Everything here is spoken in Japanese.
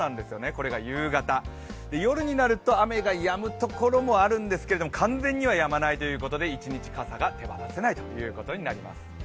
これが夕方、夜になると雨がやむところもあるんですけど完全にはやまないということで一日、傘が手放せないということになります。